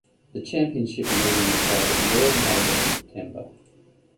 The championship meeting was held at Royal Melbourne in September.